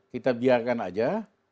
kita biarkan saja